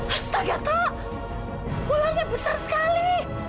astaga tok ularnya besar sekali